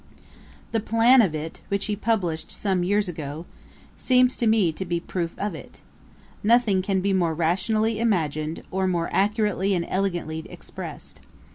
The Plan of it, which he published some years ago, seems to me to be a proof of it. Nothing can be more rationally imagined, or more accurately and elegantly expressed.